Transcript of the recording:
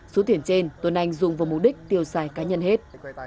số tiền trên tuấn anh dùng vào mục đích tiêu xài cá nhân hết